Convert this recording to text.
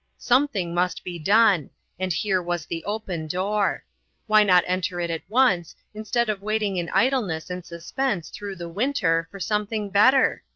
Something must be done, and here was the open door. Why not enter it at once, instead of waiting in idleness and suspense through the winter for something better?